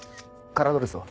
カラードレスは？